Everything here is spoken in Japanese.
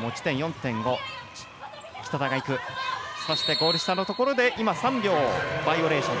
ゴール下のところで３秒バイオレーションです。